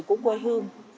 của quê hương